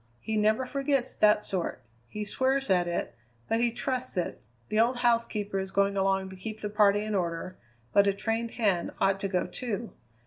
He never forgets that sort; he swears at it, but he trusts it. The old housekeeper is going along to keep the party in order, but a trained hand ought to go, too.